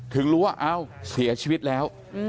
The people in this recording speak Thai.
ถึงรู้ว่าเอ้าเสียชีวิตแล้ว